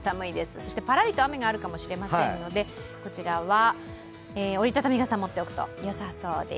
そしてパラリと雨があるかもしれませんので、こちらは折り畳み傘を持っていくとよさそうです。